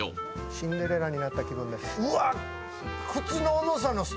シンデレラになった気分です。